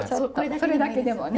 それだけでもね。